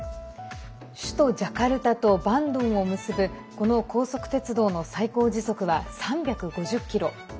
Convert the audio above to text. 首都ジャカルタとバンドンを結ぶこの高速鉄道の速度は時速３５０キロ。